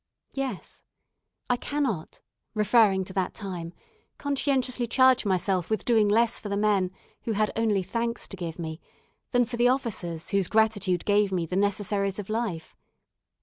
Yes! I cannot referring to that time conscientiously charge myself with doing less for the men who had only thanks to give me, than for the officers whose gratitude gave me the necessaries of life.